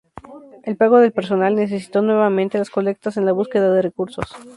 El pago del personal necesitó nuevamente las colectas en la búsqueda de recursos.